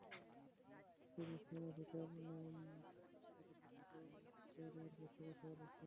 তিনি সমঝোতার নামে ঠিকাদারদের জরিমানা মাফ করে দেওয়ার পক্ষে কথা বলছেন।